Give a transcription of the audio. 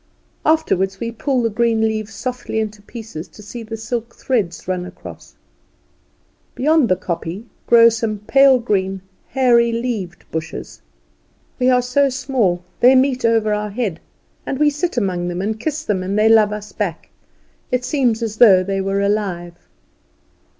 Afterward we pull the green leaves softly into pieces to see the silk threads run across. Beyond the kopje grow some pale green, hairy leaved bushes. We are so small, they meet over our head, and we sit among them, and kiss them, and they love us back; it seems as though they were alive.